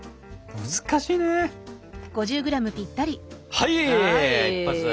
はい一発。